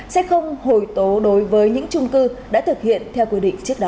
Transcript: sẽ không hồi tố đối với những trung cư đã thực hiện theo quy định trước đó